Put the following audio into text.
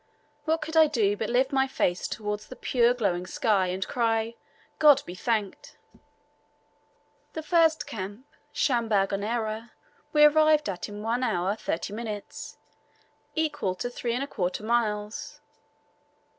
What could I do but lift my face toward the pure glowing sky, and cry, "God be thanked!" The first camp, Shamba Gonera, we arrived at in 1 hour 30 minutes, equal to 3 1/4 miles.